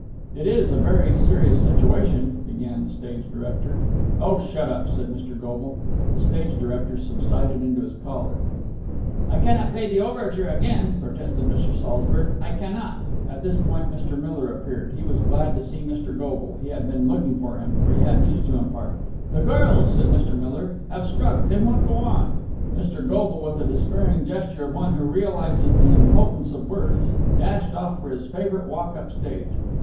"It is a very serious situation...." began the stage director. "Oh, shut up!" said Mr. Goble. The stage director subsided into his collar. "I cannot play the overture again," protested Mr. Saltzburg. "I cannot!" At this point Mr. Miller appeared. He was glad to see Mr. Goble. He had been looking for him, for he had news to impart. "The girls," said Mr. Miller, "have struck! They won't go on!" Mr. Goble, with the despairing gesture of one who realizes the impotence of words, dashed off for his favourite walk up stage.